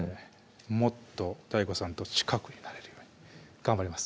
もっとＤＡＩＧＯさんと近くになれるように頑張ります